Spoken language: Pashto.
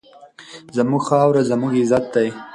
زموږ خاوره زموږ عزت دی.